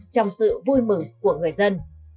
trong sự vui mừng của người dân